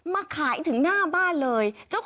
มาขายถึงหน้าบ้านเลย